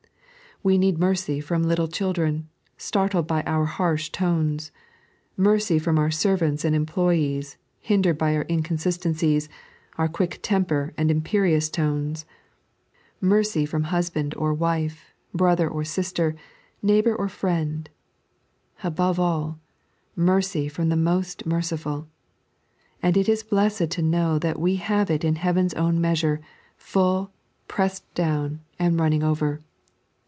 We need mercy from little children, startled by our harsh tones ; mercy from our servants and employes, hindered by oar incoDBistencies, our quick temper and imperious tones; mercy from husband or wife, brother or sister, neighbour or friend — above all, mercy from the Most Merciful ; and it is blessed to know that wo have it in Heaven's own measure, full, pressed down, and running over.